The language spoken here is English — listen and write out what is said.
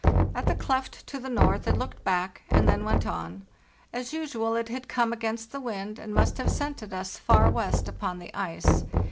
At the cleft to the north it looked back, and then went on. As usual it had come against the wind, and must have scented us far west upon the ice.